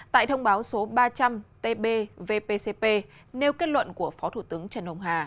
tại thông báo số ba trăm linh tb vpcp nêu kết luận của phó thủ tướng trần hồng hà